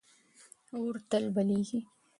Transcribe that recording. اور تل بلېږي.